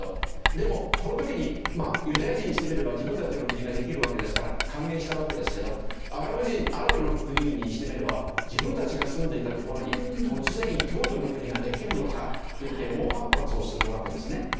でも、この時にユダヤ人にしてみれば自分たちの国ができるわけですから歓迎したわけですがアラブの国々にしてみれば自分たちが住んでいたところに突然、異教徒の国ができるのかといって猛反発をするわけですね。